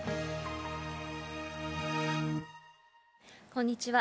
こんにちは。